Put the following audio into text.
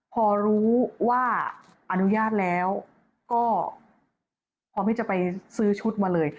พอรู้ว่าอนุญาตแล้วก็พร้อมที่จะไปซื้อชุดมาเลย